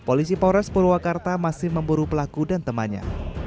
polisi polres purwakarta masih memburu pelaku dan temannya